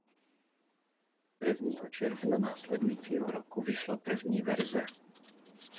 Prvního června následujícího roku vyšla první verze.